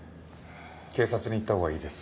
警察にいったほうがいいです。